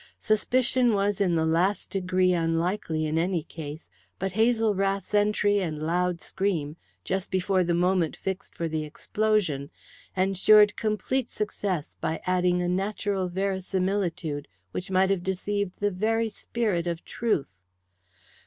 Suspicion was in the last degree unlikely in any case, but Hazel Rath's entry and loud scream, just before the moment fixed for the explosion, ensured complete success by adding a natural verisimilitude which might have deceived the very Spirit of Truth.